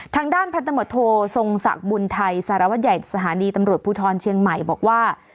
ทางด้านพันธมตโททรงศักดิ์บุญไทยสารวัตรใหญ่สถานีตำรวจภูทรเชียงใหม่บอกว่า